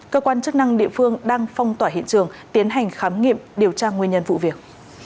cơ quan chức năng địa phương đang phong tỏa hiện trường tiến hành khám nghiệm điều tra nguyên nhân vụ việc